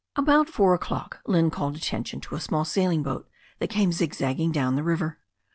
About four o'clock Lynne called attention to a small sailing boat that came zigzagging down the river.